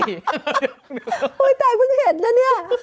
เฮ้ยตายเพิ่งเห็นแล้วเนี่ย